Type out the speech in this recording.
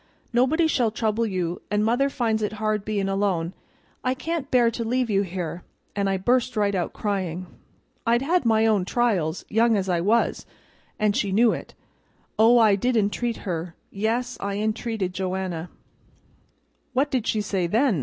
Nobody shall trouble you an' mother finds it hard bein' alone. I can't bear to leave you here' and I burst right out crying. I'd had my own trials, young as I was, an' she knew it. Oh, I did entreat her; yes, I entreated Joanna." "What did she say then?"